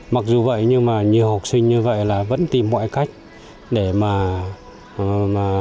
mặc dù vậy nhưng mà nhiều học sinh như vậy là vẫn tìm mọi cách để mà